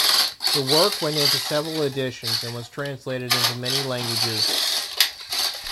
The work went into several editions and was translated into many languages.